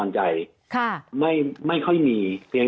สวัสดีครับทุกคน